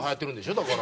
だから。